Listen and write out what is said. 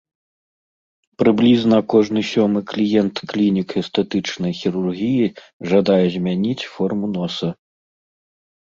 Прыблізна кожны сёмы кліент клінік эстэтычнай хірургіі жадае змяніць форму носа.